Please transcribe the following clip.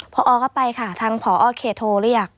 พอก็ไปค่ะทางพอเขตโทรเรียก